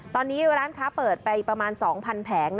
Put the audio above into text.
ตอนนี้ร้านค้าเปิดไปประมาณ๒๐๐แผง